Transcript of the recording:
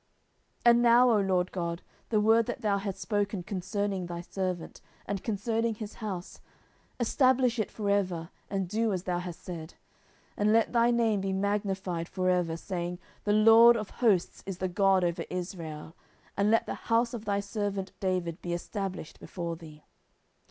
10:007:025 And now, O LORD God, the word that thou hast spoken concerning thy servant, and concerning his house, establish it for ever, and do as thou hast said. 10:007:026 And let thy name be magnified for ever, saying, The LORD of hosts is the God over Israel: and let the house of thy servant David be established before thee.